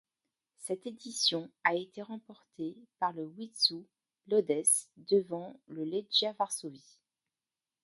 Cette édition a été remportée par le Widzew Łódź, devant le Legia Varsovie.